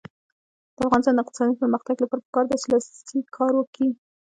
د افغانستان د اقتصادي پرمختګ لپاره پکار ده چې لاسي کار وي.